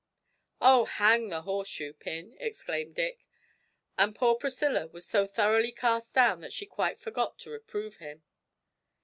'Oh, hang the horse shoe pin!' exclaimed Dick, and poor Priscilla was so thoroughly cast down that she quite forgot to reprove him.